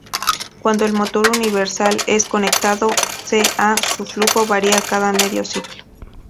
Cuando el motor universal es conectado c.a., su flujo varía cada medio ciclo.